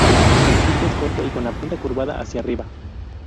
El pico es corto y con la punta curvada hacia arriba